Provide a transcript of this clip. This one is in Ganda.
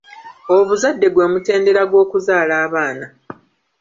Obuzadde gwe mutendera gw'okuzaala abaana.